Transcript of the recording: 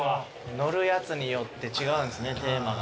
乗るやつによって違うんすねテーマがね。